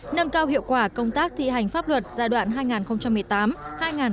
nâng cao hiệu quả công tác thi hành pháp luật giai đoạn hai nghìn một mươi tám hai nghìn hai mươi